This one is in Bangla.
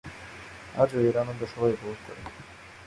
আজও এর আনন্দ সবাই উপভোগ করে।